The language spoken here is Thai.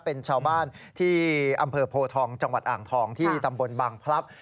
เป็นชาวบ้านที่อำเภอโพทองจังหวัดอ่างทองที่ตำบลบางพลับ